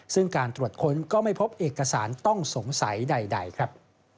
ซึ่งการตรวจค้นก็ไม่พบเอกสารต้องสงสัยใดครับ